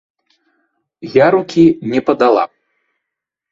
Я рукі не падала.